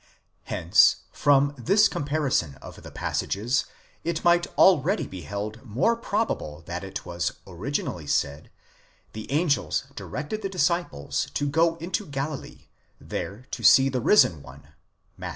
Hence from this comparison of the passages it might already be held more probable that it was originally said, the angels directed the dis ciples to go into Galilee, there to see the risen one (Matt.)